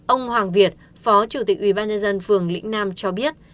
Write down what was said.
ông hoàng việt phó chủ tịch ubnd phường lĩnh nam cho biết